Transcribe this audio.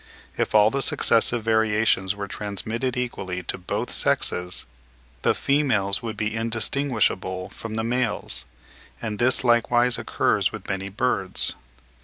If all the successive variations were transmitted equally to both sexes, the females would be indistinguishable from the males; and this likewise occurs with many birds.